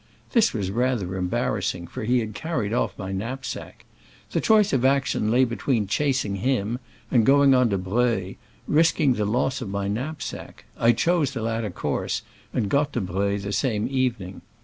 This was rather embarrassing, for he carried off my knapsack. The choice of action lay between chasing him and going on to Breuil, risking the loss of my knapsack. I chose the latter course, and got to Breuil the same evening.